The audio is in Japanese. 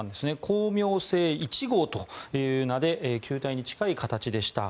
「光明星１号」という名で球体に近い形でした。